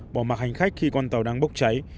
bỏ mặt hành khách khi con tàu đang bốc cháy